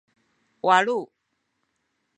walu